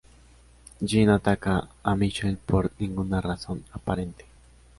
Jin ataca a Michael por ninguna razón aparente.